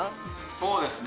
そうですね。